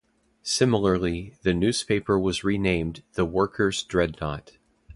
Similarly, the newspaper was renamed the "Workers' Dreadnought".